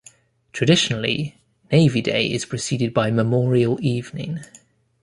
Traditionally, Navy Day is preceded by Memorial Evening.